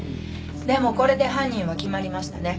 でもこれで犯人は決まりましたね。